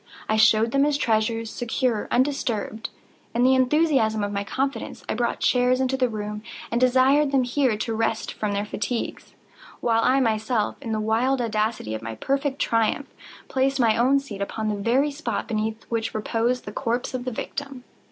I showed them his treasures, secure, undisturbed. In the enthusiasm of my confidence, I brought chairs into the room, and desired them here to rest from their fatigues, while I myself, in the wild audacity of my perfect triumph, placed my own seat upon the very spot beneath which reposed the corpse of the victim.